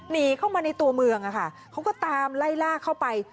หนีเข้ามาในตัวเมืองอะค่ะเขาก็ตามไล่ล่าเข้าไป